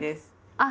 あっ！